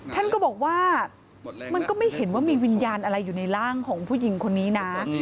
ท่านก็บอกว่ามันก็ไม่เห็นว่ามีวิญญาณอะไรอยู่ในร่างของผู้หญิงคนนี้นะ